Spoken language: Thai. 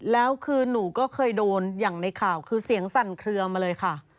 แล้วคือหนูก็เคยโดนอย่างในข่าวคือเสียงสั่นเคลือมาเลยค่ะ